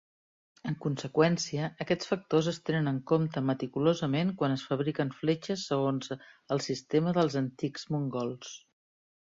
En conseqüència, aquests factors es tenen en compte meticulosament quan es fabriquen fletxes segons el sistema dels antics mongols.